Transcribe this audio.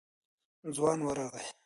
ځوان ورغی.